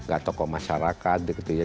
gak tokoh masyarakat gitu ya